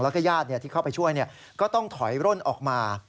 แล้วก็ญาติที่เข้าไปช่วยก็ต้องถอยร่นออกมา